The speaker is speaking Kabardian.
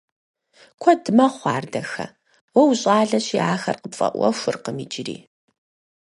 Куэд мэхъу ар, дахэ, уэ ущӀалэщи ахэр къыпфӀэӀуэхукъым иджыри.